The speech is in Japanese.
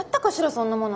そんなもの。